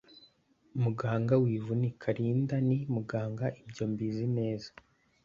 Muganga wivunika Linda ndi muganga ibyo mbizi neza